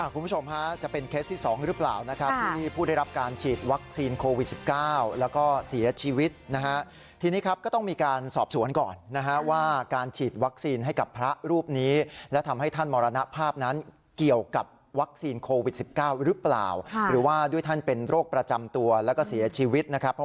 คุณผู้ชมฮะจะเป็นเคสที่๒หรือเปล่านะครับที่ผู้ได้รับการฉีดวัคซีนโควิด๑๙แล้วก็เสียชีวิตนะฮะทีนี้ครับก็ต้องมีการสอบสวนก่อนนะฮะว่าการฉีดวัคซีนให้กับพระรูปนี้และทำให้ท่านมรณภาพนั้นเกี่ยวกับวัคซีนโควิด๑๙หรือเปล่าหรือว่าด้วยท่านเป็นโรคประจำตัวแล้วก็เสียชีวิตนะครับ